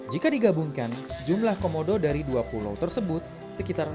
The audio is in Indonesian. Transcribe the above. jika digabungkan jumlah komodo dari dua pulau tersebut sekitar